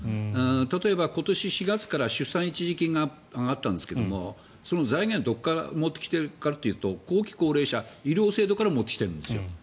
例えば、今年４月から出産一時金が上がったんですが、その財源どこから持ってきているかというと後期高齢者、医療制度から持ってきてるんです。